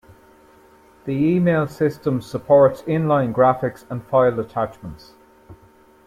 The email system supports inline graphics and file attachments.